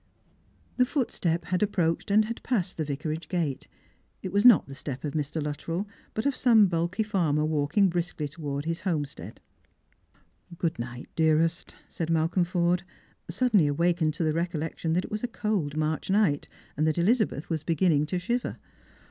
The footstep had approached and had passed the Vicaragf gate. It was not the step of Mr. Luttrell, but of some bulky farmer walking briskly towards his homestead. " Good night, dearest !" said Malcolm Forde, suddenly awakened to the recollection that it was a cold March night, and that Elizabeth was beginning to shiver.